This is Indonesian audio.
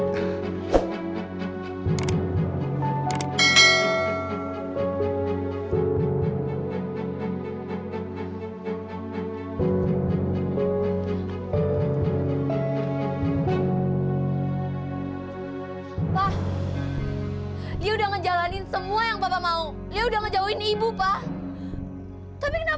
kenapa pasang brief night di sana